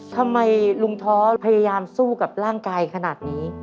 ทำไมลุงท้อพยายามสู้กับร่างกายขนาดนี้